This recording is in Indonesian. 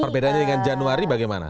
perbedaannya dengan januari bagaimana